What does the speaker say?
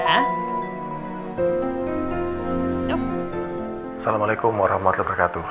assalamualaikum warahmatullahi wabarakatuh